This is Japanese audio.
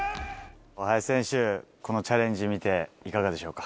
林選手、このチャレンジ見て、いかがでしょうか。